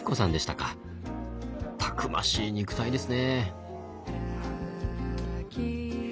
たくましい肉体ですね。